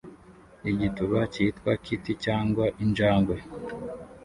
Igituba cyitwa Kit cyangwa Injangwe